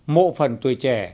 mộ phần tuổi trẻ